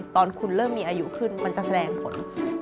ตอนคุณเริ่มมีอายุขึ้นมันจะแสดงผล